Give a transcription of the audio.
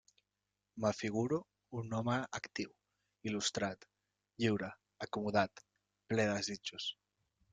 M'afiguro un home actiu, il·lustrat, lliure, acomodat, ple de desitjos.